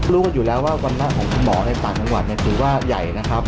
รู้กันอยู่แล้วว่าวันละของคุณหมอในต่างจังหวัดถือว่าใหญ่นะครับ